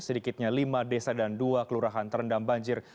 sedikitnya lima desa dan dua kelurahan terendam banjir